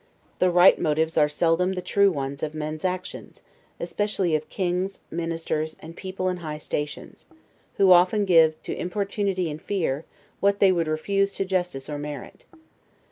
The right motives are seldom the true ones of men's actions, especially of kings, ministers, and people in high stations; who often give to importunity and fear, what they would refuse to justice or to merit.